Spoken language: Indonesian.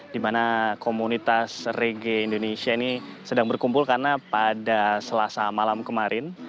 di mana komunitas rege indonesia ini sedang berkumpul karena pada selasa malam kemarin